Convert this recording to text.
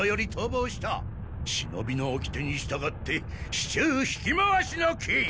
忍びの掟に従って市中引き回しの刑！